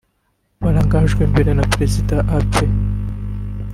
barangajwe imbere na Perezida Ap